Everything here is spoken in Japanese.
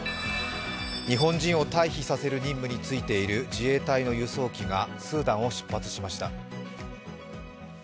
日本人を退避させる任務に就いている自衛隊の輸送機がスーダンを出発しました。